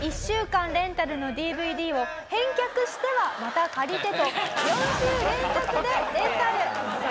１週間レンタルのＤＶＤを返却してはまた借りてと４週連続でレンタル！